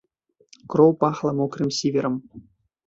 Кроў пахла мокрым сіверам.